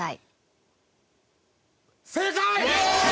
正解！